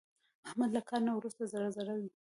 احمد له کار نه ورسته ذره ذره وي.